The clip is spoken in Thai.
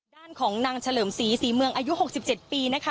ด้านของนางเฉลิมศรีศรีเมืองอายุ๖๗ปีนะคะ